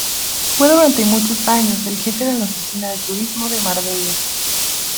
Fue durante muchos años el Jefe de la oficina de turismo de Marbella.